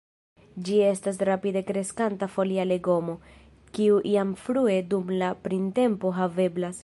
Ĝi estas rapide kreskanta folia legomo, kiu jam frue dum la printempo haveblas.